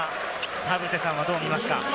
田臥さんはどう見ますか？